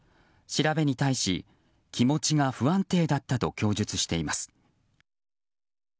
調べに対し、気持ちが不安定だったと供述しています。